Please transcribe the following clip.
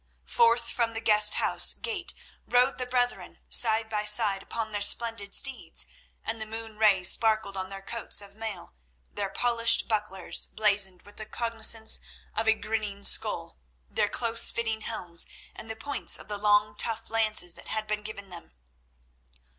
Forth from the guest house gate rode the brethren, side by side upon their splendid steeds, and the moon rays sparkled on their coats of mail, their polished bucklers, blazoned with the cognizance of a grinning skull, their close fitting helms, and the points of the long, tough lances that had been given them.